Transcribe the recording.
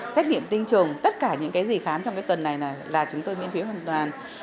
xét nghiệm tinh trùng tất cả những gì khám trong tuần này là chúng tôi miễn phí hoàn toàn